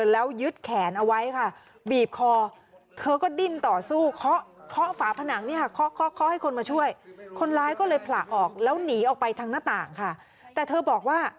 แล้วยึดแขนเอาไว้ค่ะบีบคอ